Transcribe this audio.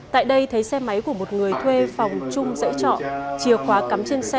tại đây thấy xe máy của một người thuê phòng chung dãy trọ chìa khóa cắm trên xe